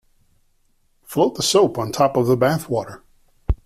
Float the soap on top of the bath water.